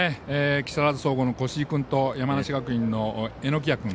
木更津総合の越井君と山梨学院の榎谷